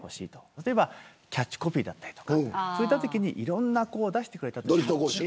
例えばキャッチコピーだったりそういうときにいろいろと出してくれるとか。